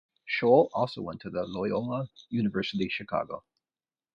Scholl also went to the Loyola University Chicago.